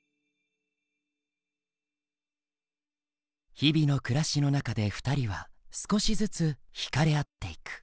日々の暮らしの中で２人は少しずつ惹かれ合っていく。